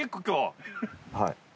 はい。